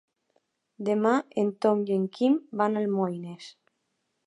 Demà en Tom i en Quim van a Almoines.